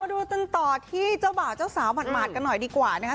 ดูกันต่อที่เจ้าบ่าวเจ้าสาวหมาดกันหน่อยดีกว่านะครับ